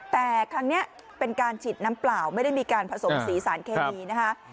แต่ครั้งนี้เป็นการฉีดน้ำเปล่าไม่ได้มีการผสมสีสารเคมีนะคะ